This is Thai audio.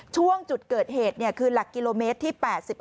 ช่วงจุดเกิดเหตุคือหลักกิโลเมตรที่๘๕